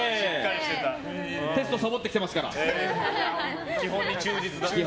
テストサボってきてますから。